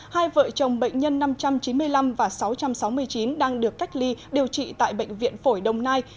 hai vợ chồng bệnh nhân năm trăm chín mươi năm và sáu trăm sáu mươi chín đang được cách ly điều trị tại bệnh viện phổi đồng nai